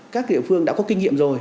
các địa phương đã có kinh nghiệm rồi